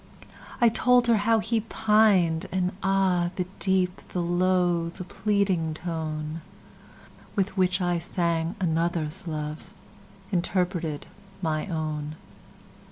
I told her how he pined: and, ah! The deep, the low, the pleading toneWith which I sang another's loveInterpreted my own.